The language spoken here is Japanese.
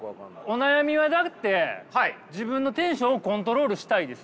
お悩みはだって自分のテンションをコントロールしたいですよ。